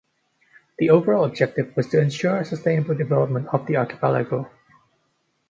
The overall objective was to ensure sustainable development of the archipelago.